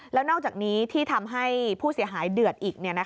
แล้วนอกจากนี้ที่ทำให้ผู้เสียหายเดือดอีก